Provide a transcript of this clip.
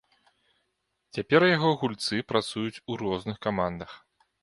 Цяпер яго гульцы працуюць у розных камандах.